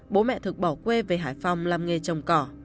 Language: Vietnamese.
bố mẹ thực bỏ quê về hải phòng làm nghề trồng cỏ